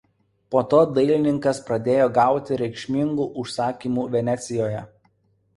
Po to dailininkas pradėjo gauti reikšmingų užsakymų Venecijoje.